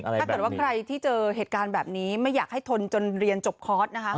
ถ้าเกิดว่าใครที่เจอเหตุการณ์แบบนี้ไม่อยากให้ทนจนเรียนจบคอร์สนะคะ